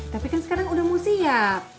tapi kan sekarang udah mau siap